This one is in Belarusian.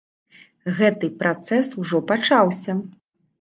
Гэты працэс ужо пачаўся.